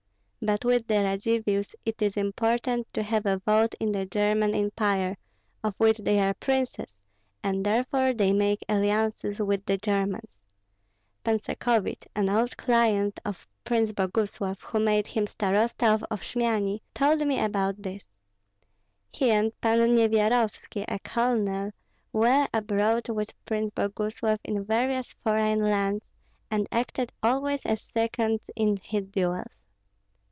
But with the Radzivills it is important to have a vote in the German Empire, of which they are princes, and therefore they make alliances with the Germans. Pan Sakovich, an old client of Prince Boguslav, who made him starosta of Oshmiani, told me about this. He and Pan Nyevyarovski, a colonel, were abroad with Prince Boguslav in various foreign lands, and acted always as seconds in his duels."